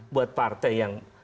buat parten yang